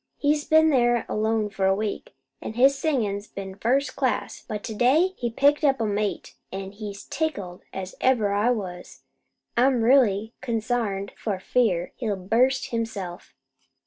He's been there alone for a week, an' his singin's been first class; but to day he's picked up a mate, an' he's as tickled as ever I was. I am really consarned for fear he'll burst himself."